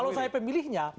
kalau saya pemilihnya